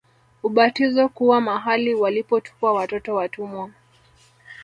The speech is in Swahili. Ubatizo kuwa mahali walipotupwa watoto watumwa